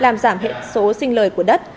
làm giảm hệ số sinh lời của đất